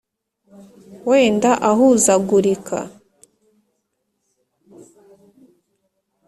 wenda ahuzagurika